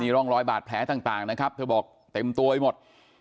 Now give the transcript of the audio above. ร่องรอยบาดแผลต่างนะครับเธอบอกเต็มตัวไปหมด